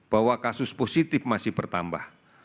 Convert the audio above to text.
bahwa kasus positif masih bertambah